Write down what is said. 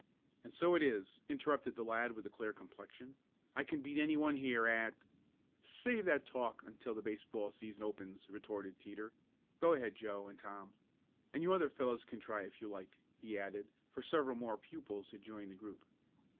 "And so it is!" interrupted the lad with the clear complexion. "I can beat any one here at " "Save that talk until the baseball season opens!" retorted Teeter. "Go ahead, Joe and Tom. And you other fellows can try if you like," he added, for several more pupils had joined the group.